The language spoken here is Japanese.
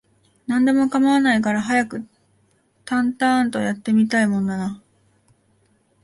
何でも構わないから、早くタンタアーンと、やって見たいもんだなあ